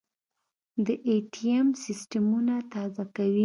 دا ائ ټي ټیم سیستمونه تازه کوي.